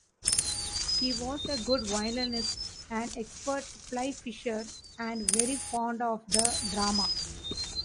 He was a good violinist, an expert fly-fisher, and very fond of the drama.